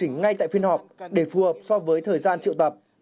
các cơ quan thẩm tra ngay tại phiên họp để phù hợp so với thời gian triệu tập